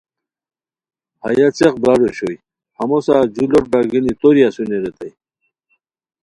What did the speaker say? ہیہ څیق برار اوشوئے ہمو سار جو لوٹ برارگینی توری اسونی ریتائے